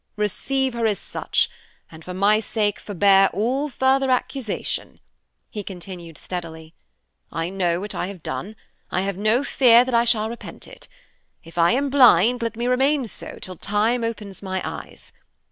"Receive her as such, and for my sake, forbear all further accusation," he continued steadily. "I know what I have done. I have no fear that I shall repent it. If I am blind, let me remain so till time opens my eyes.